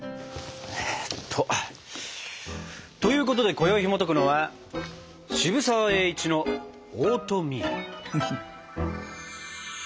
えっと。ということでこよいひもとくのは渋沢栄一のオートミール。